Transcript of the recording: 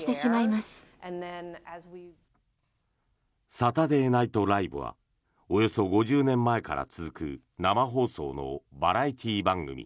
「サタデー・ナイト・ライブ」はおよそ５０年前から続く生放送のバラエティー番組。